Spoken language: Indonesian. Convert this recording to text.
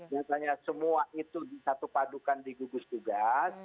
biasanya semua itu di satu padukan di gugus tugas